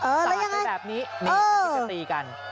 แล้วยังไงสาธิตเป็นแบบนี้มีการตีกันกัน